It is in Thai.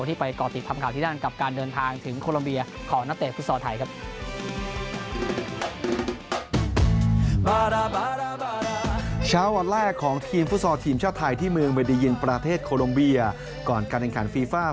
ที่ไปก่อติดทำข่าวที่นั่น